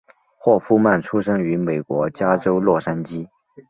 霍夫曼出生于美国加州洛杉矶。